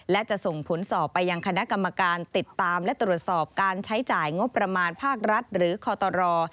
และจะส่งผลสอบไปยังคณะกรรมการติดตามและตรวจสอบการใช้จ่ายงบประมาณภาครัฐหรือคอตร